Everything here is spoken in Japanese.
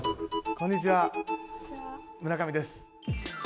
こんにちは村上です。